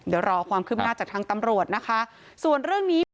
เดี๋ยวรอความคืบหน้าจากทางตำรวจนะคะส่วนเรื่องนี้